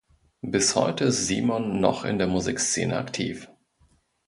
Bis heute ist Simon noch in der Musikszene aktiv.